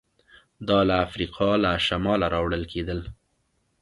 دا له افریقا له شماله راوړل کېدل